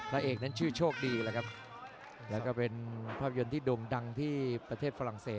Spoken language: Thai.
และเอกนั้นชื่อโชคดีแล้วก็เป็นภาพยนตร์ที่ดมดังที่ประเทศฝรั่งเศษ